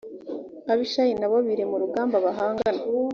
abishayi na bo birema urugamba bahangana